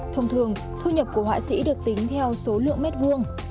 thông thường thu nhập của họa sĩ được tính theo số lượng mét vuông